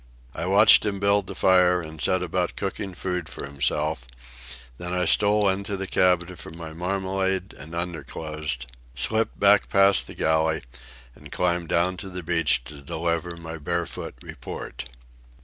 I watched him build the fire and set about cooking food for himself; then I stole into the cabin for my marmalade and underclothes, slipped back past the galley, and climbed down to the beach to deliver my barefoot report.